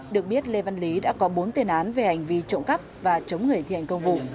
được biết lê văn lý đã có bốn tiền án về hành vi trộm cắp và chống người thi hành công vụ